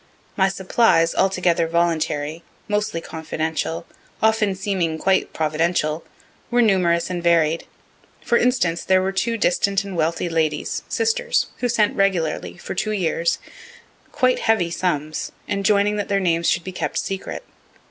My supplies, altogether voluntary, mostly confidential, often seeming quite Providential, were numerous and varied. For instance, there were two distant and wealthy ladies, sisters, who sent regularly, for two years, quite heavy sums, enjoining that their names should be kept secret.